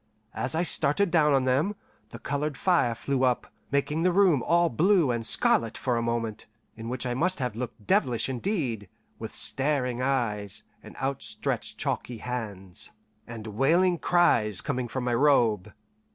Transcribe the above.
As I started down on them, the coloured fire flew up, making the room all blue and scarlet for a moment, in which I must have looked devilish indeed, with staring eyes, and outstretched chalky hands, and wailing cries coming from my robe.